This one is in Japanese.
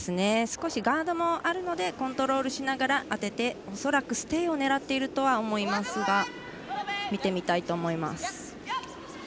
少しガードもあるのでコントロールしながら当てて恐らくステイを狙っているとは思いますが。